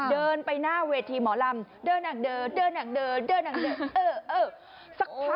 เดินไปหน้าเวทีหมอลำเดินอ่างเดินเดินอ่างเดินเดินอ่างเดินเออเออ